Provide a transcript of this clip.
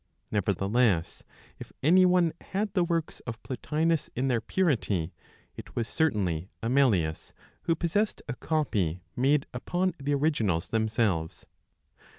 Nevertheless, if any one had the works of Plotinos in their purity, it was certainly Amelius, who possessed a copy made upon the originals themselves.